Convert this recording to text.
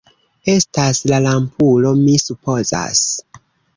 Estas la lampulo, mi supozas.